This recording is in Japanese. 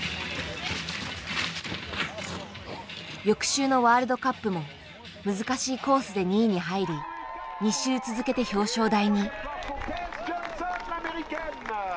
翌週のワールドカップも難しいコースで２位に入り２週続けて表彰台に。